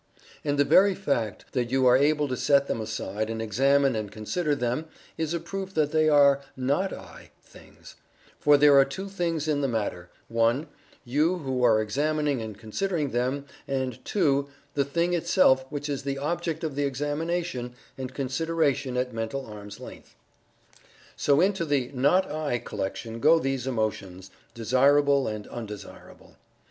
And the very fact that you are able to set them aside and examine and consider them is a proof that they are "not I" things for there are two things in the matter (1) You who are examining and considering them, and (2) the thing itself which is the object of the examination and consideration at mental arm's length. So into the "not I" collection go these emotions, desirable and undesirable.